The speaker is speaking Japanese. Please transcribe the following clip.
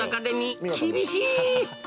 厳しい。